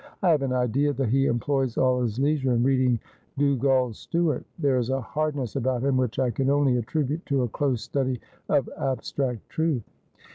I have an idea that he employs all his leisure in reading Dugald Stewart. There is a hardness about him which I can only attri bute to a close study of abstract truth.'